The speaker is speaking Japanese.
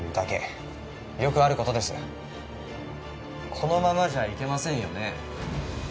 ここままじゃいけませんよね。